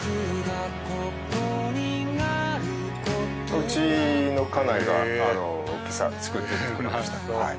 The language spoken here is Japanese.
うちの家内が今朝作っていってくれました。